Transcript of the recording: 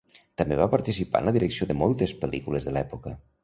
També va participar en la direcció de moltes pel·lícules de l'època.